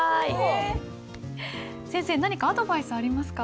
先生何かアドバイスありますか？